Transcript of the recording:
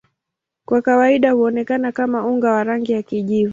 Kwa kawaida huonekana kama unga wa rangi ya kijivu.